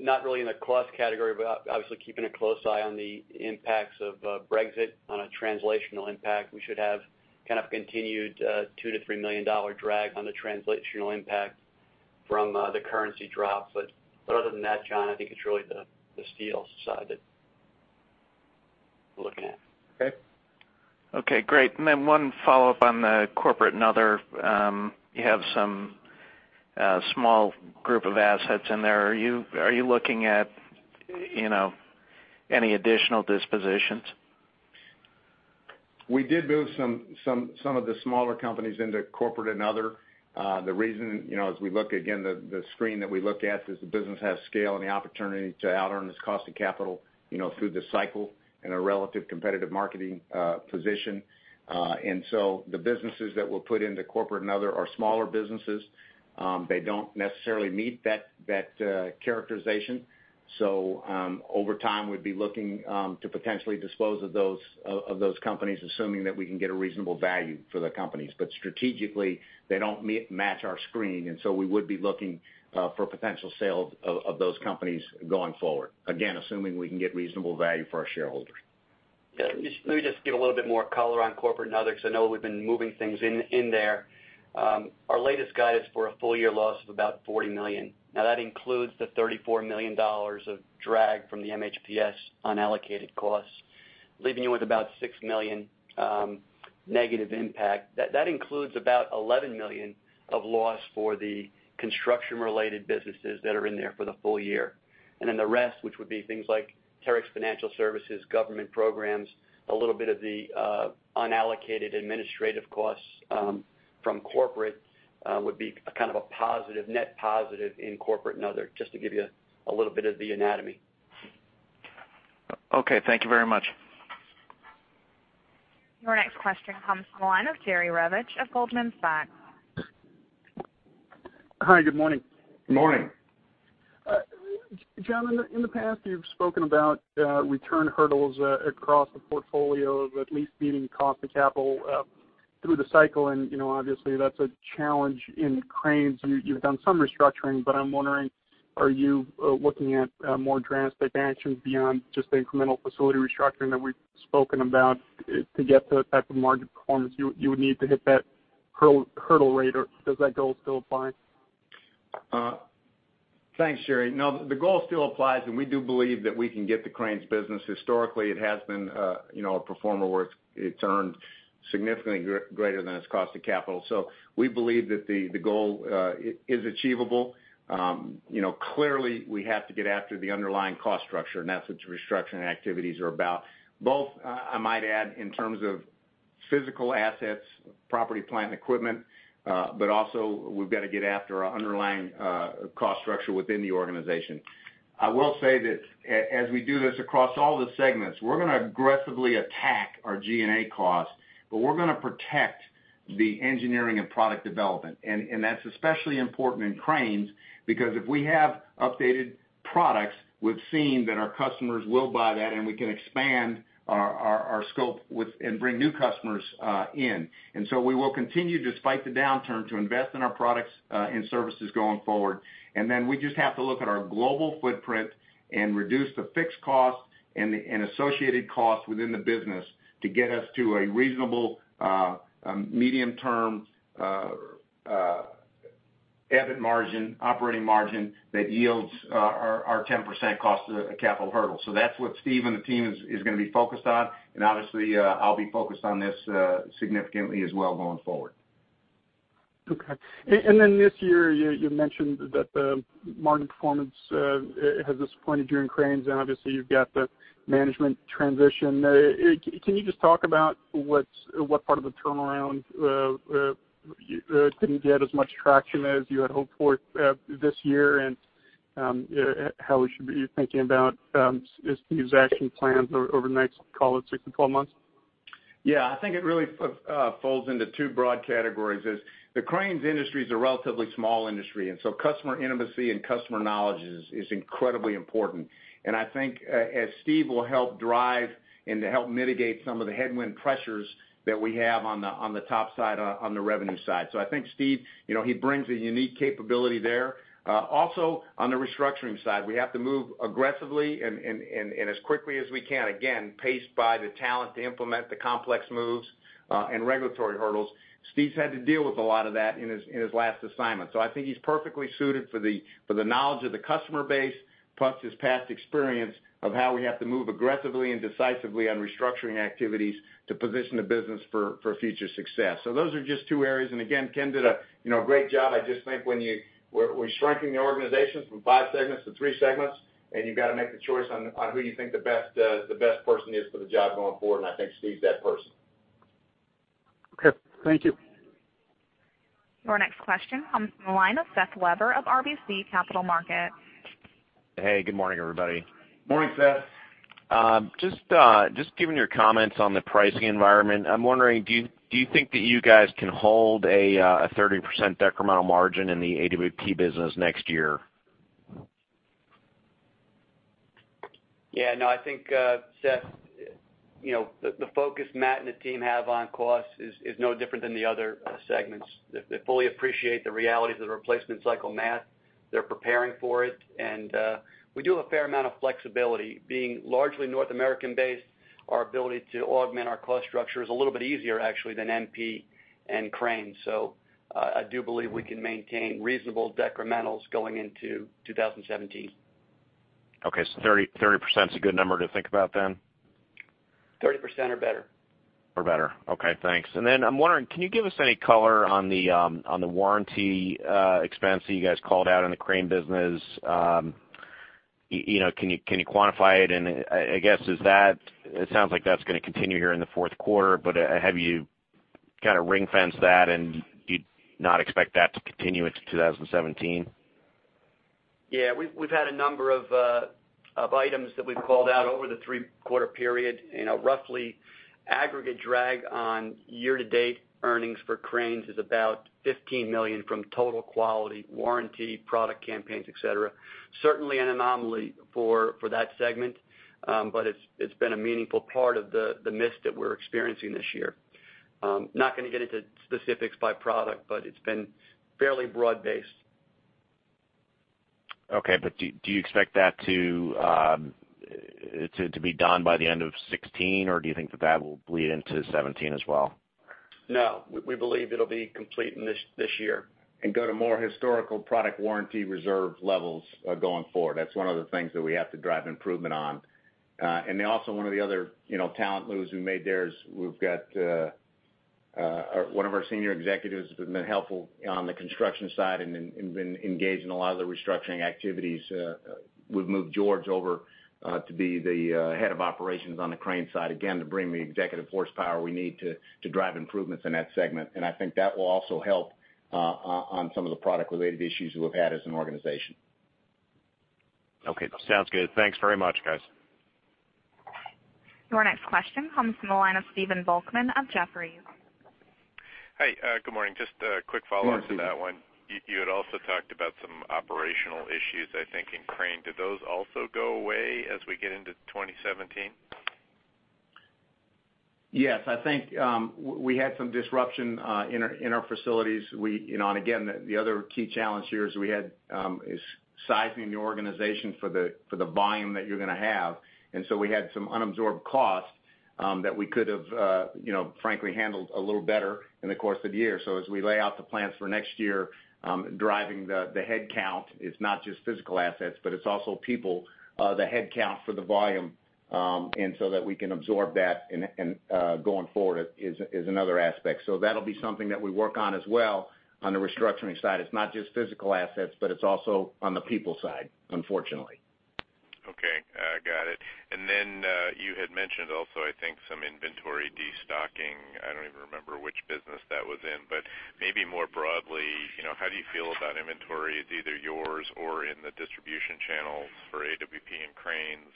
not really in the cost category, obviously keeping a close eye on the impacts of Brexit on a translational impact. We should have kind of continued $2 million-$3 million drag on the translational impact from the currency drop. Other than that, John, I think it's really the steel side that we're looking at. Okay, great. Then one follow-up on the corporate and other. You have some small group of assets in there. Are you looking at any additional dispositions? We did move some of the smaller companies into corporate and other. The reason, as we look again, the screen that we look at is the business has scale and the opportunity to out earn its cost of capital through the cycle in a relative competitive marketing position. The businesses that we'll put into corporate and other are smaller businesses. They don't necessarily meet that characterization. So over time, we'd be looking to potentially dispose of those companies, assuming that we can get a reasonable value for the companies. Strategically, they don't match our screen, and so we would be looking for potential sales of those companies going forward. Again, assuming we can get reasonable value for our shareholders. Let me just give a little bit more color on corporate and other, because I know we've been moving things in there. Our latest guidance for a full year loss of about $40 million. Now that includes the $34 million of drag from the MHPS unallocated costs, leaving you with about $6 million negative impact. That includes about $11 million of loss for the construction-related businesses that are in there for the full year. Then the rest, which would be things like Terex Financial Services, government programs, a little bit of the unallocated administrative costs from corporate would be kind of a net positive in corporate and other, just to give you a little bit of the anatomy. Okay. Thank you very much. Your next question comes from the line of Jerry Revich of Goldman Sachs. Hi, good morning. Morning. John, in the past you've spoken about return hurdles across the portfolio of at least beating cost of capital through the cycle, obviously that's a challenge in Cranes. You've done some restructuring, I'm wondering, are you looking at more drastic actions beyond just the incremental facility restructuring that we've spoken about to get the type of market performance you would need to hit that hurdle rate, or does that goal still apply? Thanks, Jerry. No, the goal still applies, we do believe that we can get the Cranes business. Historically, it has been a performer where it's earned significantly greater than its cost of capital. We believe that the goal is achievable. Clearly, we have to get after the underlying cost structure, that's what the restructuring activities are about. Both, I might add, in terms of physical assets, property, plant, and equipment, also we've got to get after our underlying cost structure within the organization. I will say that as we do this across all the segments, we're going to aggressively attack our G&A costs, we're going to protect the engineering and product development. That's especially important in Cranes because if we have updated products, we've seen that our customers will buy that, we can expand our scope and bring new customers in. We will continue, despite the downturn, to invest in our products and services going forward. Then we just have to look at our global footprint and reduce the fixed costs and associated costs within the business to get us to a reasonable medium-term EBIT margin, operating margin that yields our 10% cost of capital hurdle. That's what Steve and the team is going to be focused on. Obviously, I'll be focused on this significantly as well going forward. Okay. This year, you mentioned that the margin performance has disappointed you in Cranes, and obviously you've got the management transition. Can you just talk about what part of the turnaround didn't get as much traction as you had hoped for this year and how we should be thinking about Steve's action plans over the next, call it six to 12 months? Yeah. I think it really folds into two broad categories. The Cranes industry is a relatively small industry, customer intimacy and customer knowledge is incredibly important. I think as Steve will help drive and to help mitigate some of the headwind pressures that we have on the top side, on the revenue side. I think Steve brings a unique capability there. Also, on the restructuring side, we have to move aggressively and as quickly as we can, again, paced by the talent to implement the complex moves and regulatory hurdles. Steve's had to deal with a lot of that in his last assignment. I think he's perfectly suited for the knowledge of the customer base, plus his past experience of how we have to move aggressively and decisively on restructuring activities to position the business for future success. Those are just two areas. Again, Ken did a great job. I just think when we're shrinking the organization from five segments to three segments, you've got to make the choice on who you think the best person is for the job going forward, I think Steve's that person. Okay. Thank you. Your next question comes from the line of Seth Weber of RBC Capital Markets. Hey, good morning, everybody. Morning, Seth. Just given your comments on the pricing environment, I'm wondering, do you think that you guys can hold a 30% decremental margin in the AWP business next year? I think, Seth, the focus Matt and the team have on cost is no different than the other segments. They fully appreciate the realities of the replacement cycle, Matt. They're preparing for it, and we do have a fair amount of flexibility. Being largely North American-based, our ability to augment our cost structure is a little bit easier, actually, than MP and Cranes. I do believe we can maintain reasonable decrementals going into 2017. 30% is a good number to think about then? 30% or better. Or better. Okay, thanks. I'm wondering, can you give us any color on the warranty expense that you guys called out in the Crane business? Can you quantify it? I guess it sounds like that's going to continue here in the fourth quarter, but have you kind of ring-fenced that, and do you not expect that to continue into 2017? Yeah. We've had a number of items that we've called out over the three-quarter period. Roughly aggregate drag on year-to-date earnings for Cranes is about $15 million from total quality, warranty, product campaigns, et cetera. Certainly an anomaly for that segment, but it's been a meaningful part of the miss that we're experiencing this year. Not going to get into specifics by product, but it's been fairly broad-based. Okay, do you expect that to be done by the end of 2016, or do you think that that will bleed into 2017 as well? No. We believe it'll be complete in this year. Go to more historical product warranty reserve levels going forward. That's one of the things that we have to drive improvement on. One of the other talent moves we made there is we've got one of our senior executives who's been helpful on the construction side and been engaged in a lot of the restructuring activities. We've moved George over to be the head of operations on the Crane side, again, to bring the executive horsepower we need to drive improvements in that segment. I think that will also help on some of the product-related issues we've had as an organization. Okay. Sounds good. Thanks very much, guys. Your next question comes from the line of Stephen Volkmann of Jefferies. Hi, good morning. Just a quick follow-on to that one. You had also talked about some operational issues, I think, in Crane. Do those also go away as we get into 2017? Yes, I think we had some disruption in our facilities. The other key challenge here is we had sizing the organization for the volume that you're going to have. We had some unabsorbed costs that we could have frankly handled a little better in the course of the year. As we lay out the plans for next year, driving the headcount, it's not just physical assets, but it's also people, the headcount for the volume, that we can absorb that going forward is another aspect. That'll be something that we work on as well on the restructuring side. It's not just physical assets, but it's also on the people side, unfortunately. Okay, got it. You had mentioned also, I think, some inventory destocking. I don't even remember which business that was in, but maybe more broadly, how do you feel about inventory as either yours or in the distribution channels for AWP and cranes,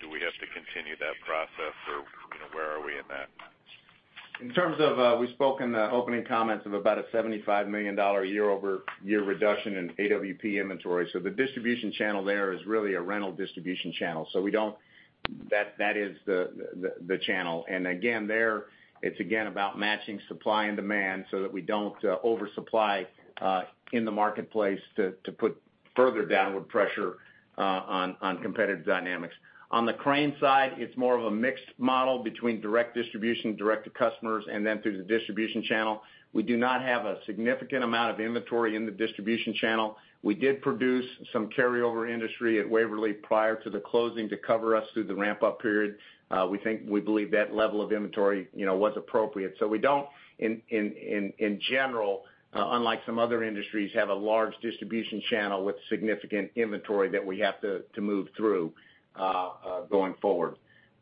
do we have to continue that process or where are we in that? We spoke in the opening comments of about a $75 million year-over-year reduction in AWP inventory. The distribution channel there is really a rental distribution channel. That is the channel. Again, there, it's again about matching supply and demand so that we don't oversupply in the marketplace to put further downward pressure on competitive dynamics. On the crane side, it's more of a mixed model between direct distribution, direct to customers, and then through the distribution channel. We do not have a significant amount of inventory in the distribution channel. We did produce some carryover industry at Waverly prior to the closing to cover us through the ramp-up period. We believe that level of inventory was appropriate. We don't, in general, unlike some other industries, have a large distribution channel with significant inventory that we have to move through going forward.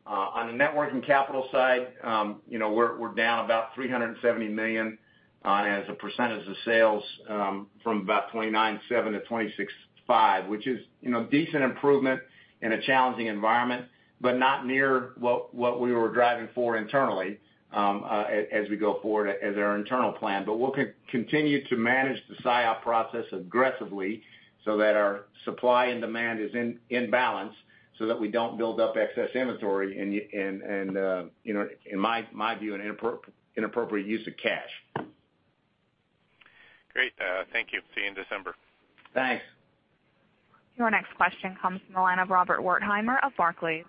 On the net working capital side, we're down about $370 million as a percentage of sales from about 29.7% to 26.5%, which is decent improvement in a challenging environment, not near what we were driving for internally as we go forward as our internal plan. We'll continue to manage the SIOP process aggressively so that our supply and demand is in balance so that we don't build up excess inventory and, in my view, an inappropriate use of cash. Great. Thank you. See you in December. Thanks. Your next question comes from the line of Robert Wertheimer of Barclays.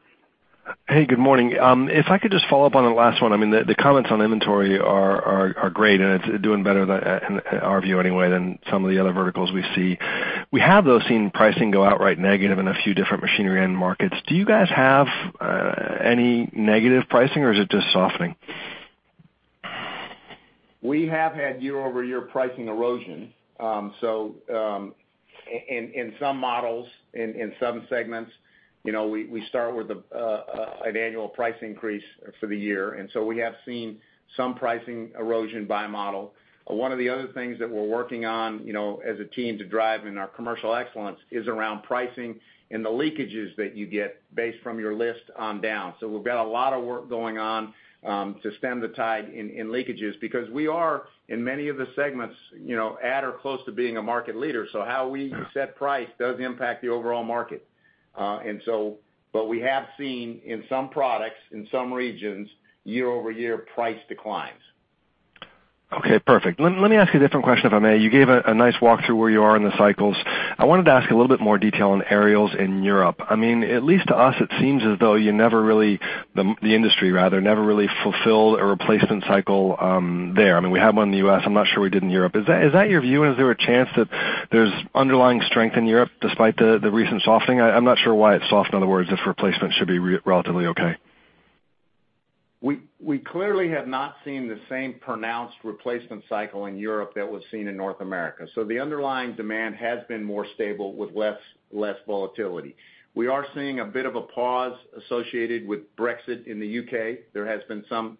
Hey, good morning. If I could just follow up on the last one. The comments on inventory are great, and it's doing better, in our view anyway, than some of the other verticals we see. We have, though, seen pricing go outright negative in a few different machinery end markets. Do you guys have any negative pricing, or is it just softening? We have had year-over-year pricing erosion. In some models, in some segments, we start with an annual price increase for the year, we have seen some pricing erosion by model. One of the other things that we're working on as a team to drive in our commercial excellence is around pricing and the leakages that you get based from your list on down. We've got a lot of work going on to stem the tide in leakages because we are, in many of the segments, at or close to being a market leader. How we set price does impact the overall market. We have seen in some products, in some regions, year-over-year price declines. Okay, perfect. Let me ask you a different question, if I may. You gave a nice walkthrough where you are in the cycles. I wanted to ask a little bit more detail on aerials in Europe. At least to us, it seems as though you never really, the industry rather, never really fulfilled a replacement cycle there. We have one in the U.S. I'm not sure we did in Europe. Is that your view? Is there a chance that there's underlying strength in Europe despite the recent softening? I'm not sure why it's soft, in other words, if replacement should be relatively okay. We clearly have not seen the same pronounced replacement cycle in Europe that was seen in North America. The underlying demand has been more stable with less volatility. We are seeing a bit of a pause associated with Brexit in the U.K. There has been some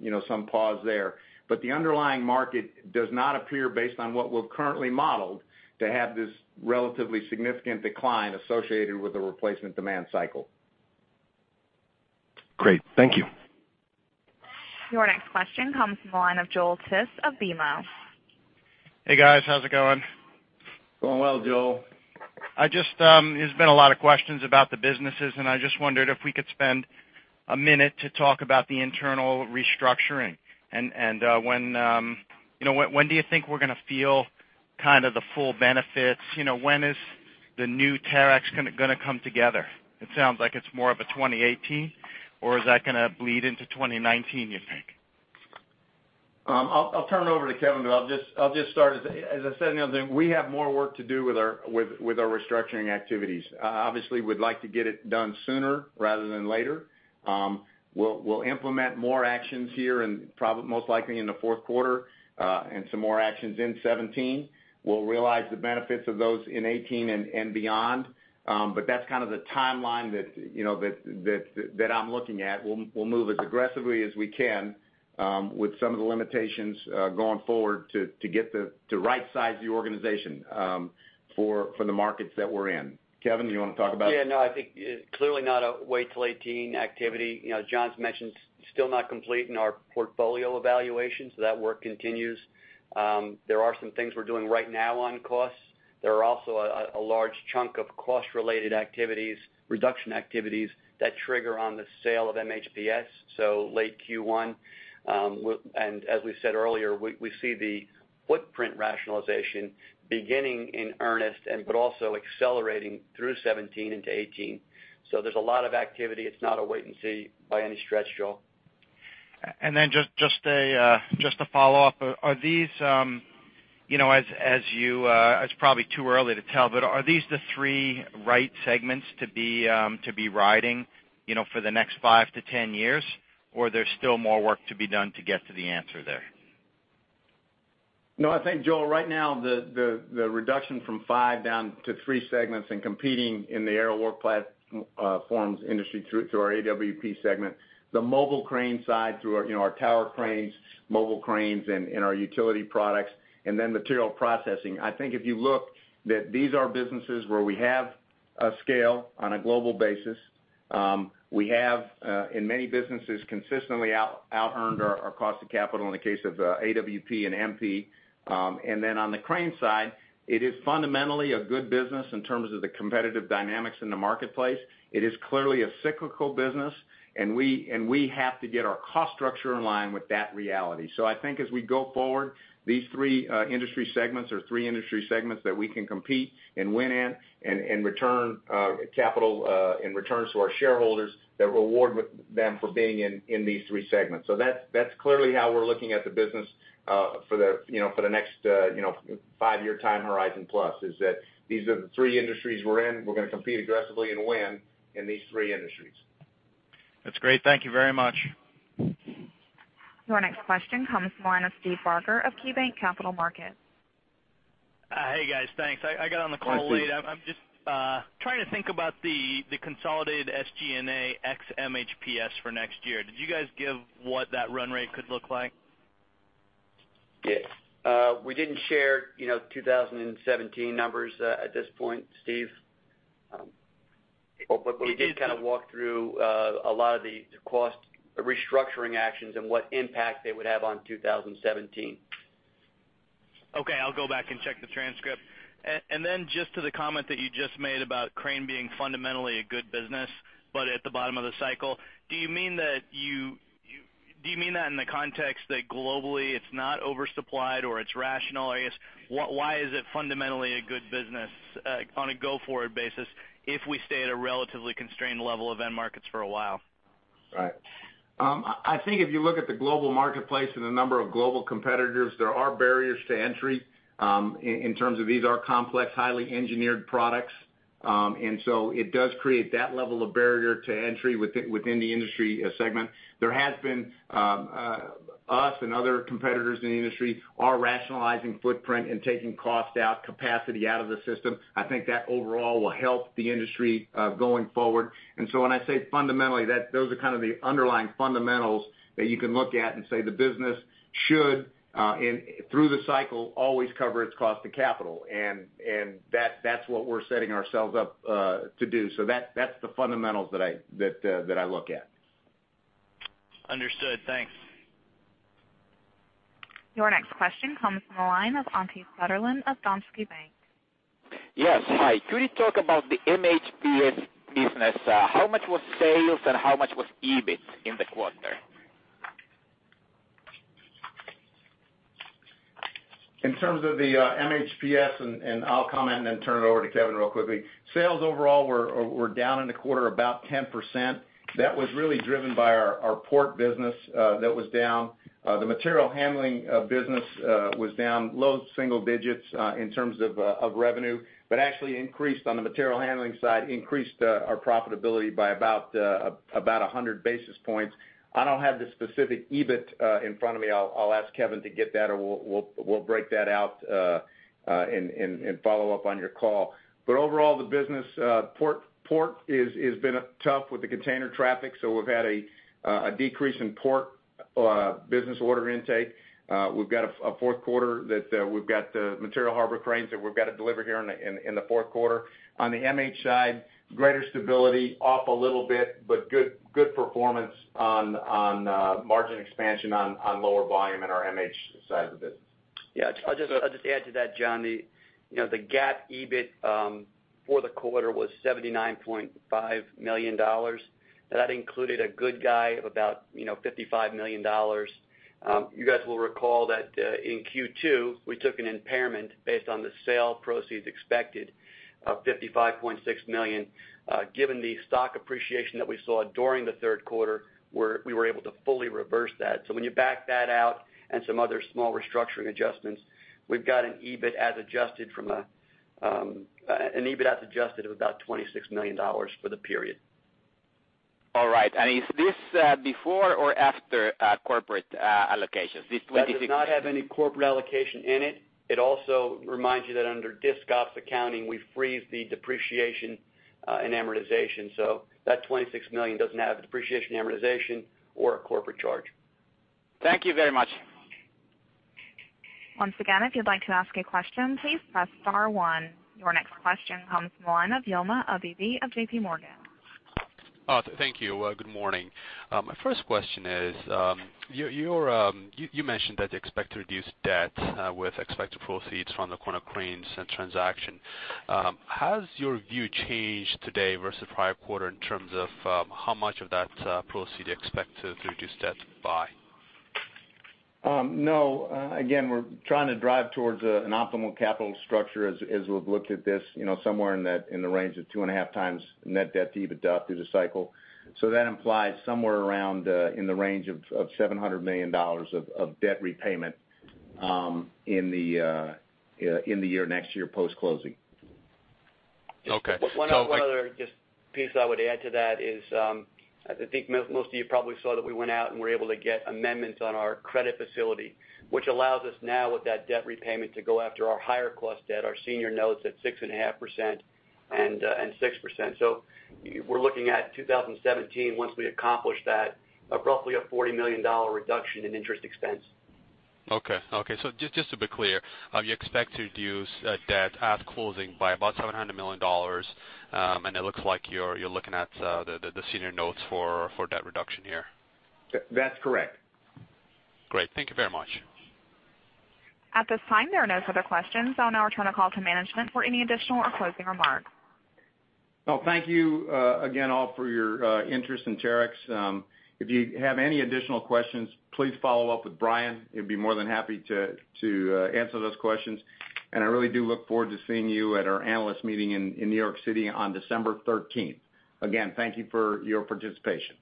pause there. The underlying market does not appear based on what we've currently modeled to have this relatively significant decline associated with the replacement demand cycle. Great. Thank you. Your next question comes from the line of Joel Tiss of BMO. Hey, guys. How's it going? Going well, Joel. There's been a lot of questions about the businesses. I just wondered if we could spend a minute to talk about the internal restructuring. When do you think we're going to feel kind of the full benefits? When is the new Terex going to come together? It sounds like it's more of a 2018, or is that going to bleed into 2019, you think? I'll turn it over to Kevin, but I'll just start. As I said the other day, we have more work to do with our restructuring activities. Obviously, we'd like to get it done sooner rather than later. We'll implement more actions here and most likely in the fourth quarter, some more actions in 2017. We'll realize the benefits of those in 2018 and beyond. That's kind of the timeline that I'm looking at. We'll move as aggressively as we can with some of the limitations going forward to right-size the organization for the markets that we're in. Kevin, you want to talk about it? Yeah, no. I think clearly not a wait till 2018 activity. As John's mentioned, still not complete in our portfolio evaluation, so that work continues. There are some things we're doing right now on costs. There are also a large chunk of cost-related activities, reduction activities that trigger on the sale of MHPS, so late Q1. As we said earlier, we see the footprint rationalization beginning in earnest but also accelerating through 2017 into 2018. There's a lot of activity. It's not a wait and see by any stretch, Joel. Just to follow up, it's probably too early to tell, but are these the three right segments to be riding for the next 5 to 10 years, or there's still more work to be done to get to the answer there? No, Joel, right now, the reduction from five down to three segments and competing in the aerial work platforms industry through our AWP segment, the mobile crane side through our tower cranes, mobile cranes, and our utility products, and then Material Processing. If you look that these are businesses where we have a scale on a global basis. We have, in many businesses, consistently outearned our cost of capital in the case of AWP and MP. On the crane side, it is fundamentally a good business in terms of the competitive dynamics in the marketplace. It is clearly a cyclical business, and we have to get our cost structure in line with that reality. As we go forward, these three industry segments are three industry segments that we can compete and win in and return capital and returns to our shareholders that reward them for being in these three segments. That's clearly how we're looking at the business for the next five-year time horizon plus, is that these are the three industries we're in. We're going to compete aggressively and win in these three industries. That's great. Thank you very much. Your next question comes from the line of Steve Barger of KeyBanc Capital Markets. Hey, guys. Thanks. I got on the call late. Hi, Steve. I'm just trying to think about the consolidated SG&A ex MHPS for next year. Did you guys give what that run rate could look like? We didn't share 2017 numbers at this point, Steve. We did kind of walk through a lot of the cost restructuring actions and what impact they would have on 2017. Okay. I'll go back and check the transcript. Then just to the comment that you just made about crane being fundamentally a good business but at the bottom of the cycle, do you mean that in the context that globally it's not oversupplied or it's rational? I guess, why is it fundamentally a good business on a go-forward basis if we stay at a relatively constrained level of end markets for a while? Right. I think if you look at the global marketplace and the number of global competitors, there are barriers to entry in terms of these are complex, highly engineered products. It does create that level of barrier to entry within the industry segment. There has been us and other competitors in the industry are rationalizing footprint and taking cost out, capacity out of the system. I think that overall will help the industry going forward. When I say fundamentally, those are kind of the underlying fundamentals that you can look at and say the business should, through the cycle, always cover its cost of capital, and that's what we're setting ourselves up to do. That's the fundamentals that I look at. Understood. Thanks. Your next question comes from the line of Ante Sudderland of Danske Bank. Yes. Hi. Could you talk about the MHPS business? How much was sales and how much was EBIT in the quarter? In terms of the MHPS, I'll comment and then turn it over to Kevin real quickly. Sales overall were down in the quarter about 10%. That was really driven by our port business that was down. The material handling business was down low single digits in terms of revenue, but actually increased on the material handling side, increased our profitability by about 100 basis points. I don't have the specific EBIT in front of me. I'll ask Kevin to get that, or we'll break that out and follow up on your call. Overall, the business port has been tough with the container traffic, we've had a decrease in port business order intake. We've got a fourth quarter that we've got the material harbor cranes that we've got to deliver here in the fourth quarter. On the MH side, greater stability, off a little bit, good performance on margin expansion on lower volume in our MH side of the business. Yeah. I'll just add to that, John. The GAAP EBIT for the quarter was $79.5 million. That included a good guy of about $55 million. You guys will recall that in Q2, we took an impairment based on the sale proceeds expected of $55.6 million. Given the stock appreciation that we saw during the third quarter, we were able to fully reverse that. When you back that out and some other small restructuring adjustments, we've got an EBIT as adjusted of about $26 million for the period. All right. Is this before or after corporate allocations, this $26 million? That does not have any corporate allocation in it. It also reminds you that under Discontinued Operations accounting, we freeze the depreciation and amortization. That $26 million doesn't have depreciation and amortization or a corporate charge. Thank you very much. Once again, if you'd like to ask a question, please press star one. Your next question comes from the line of Yoma Abibi of JP Morgan. Thank you. Good morning. My first question is you mentioned that you expect to reduce debt with expected proceeds from the Konecranes transaction. Has your view changed today versus prior quarter in terms of how much of that proceed you expect to reduce debt by? No. Again, we're trying to drive towards an optimal capital structure as we've looked at this, somewhere in the range of two and a half times net debt to EBITDA through the cycle. That implies somewhere around in the range of $700 million of debt repayment in the year next year post-closing. Okay. One other just piece I would add to that is I think most of you probably saw that we went out and were able to get amendments on our credit facility, which allows us now with that debt repayment to go after our higher cost debt, our senior notes at 6.5% and 6%. We're looking at 2017 once we accomplish that, roughly a $40 million reduction in interest expense. Okay. Just to be clear, you expect to reduce debt at closing by about $700 million, and it looks like you're looking at the senior notes for debt reduction here. That's correct. Great. Thank you very much. At this time, there are no further questions. I'll now return the call to management for any additional or closing remarks. Well, thank you again, all, for your interest in Terex. If you have any additional questions, please follow up with Brian. He'd be more than happy to answer those questions. I really do look forward to seeing you at our analyst meeting in New York City on December 13th. Again, thank you for your participation.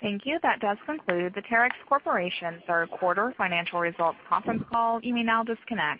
Thank you. That does conclude the Terex Corporation third quarter financial results conference call. You may now disconnect.